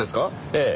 ええ。